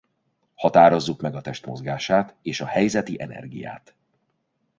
Határozzuk meg a test mozgását és a helyzeti energiát.